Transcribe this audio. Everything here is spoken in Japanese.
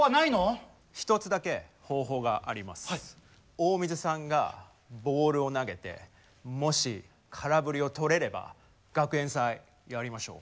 大水さんがボールを投げてもし空振りをとれれば学園祭やりましょう。